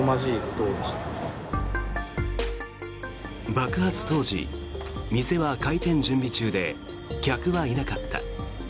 爆発当時、店は開店準備中で客はいなかった。